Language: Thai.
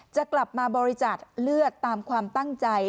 จะกลับมาบริจาคเลือดตามความตั้งใจ